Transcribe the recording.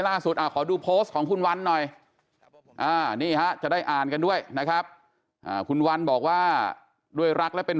ขอดูโพสต์ของคุณวันหน่อยนี่ฮะจะได้อ่านกันด้วยนะครับคุณวันบอกว่าด้วยรักและเป็น